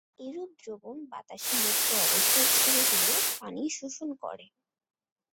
এরূপ দ্রবণ বাতাসে মুক্ত অবস্থায় ছেড়ে দিলে পানি শোষণ করে।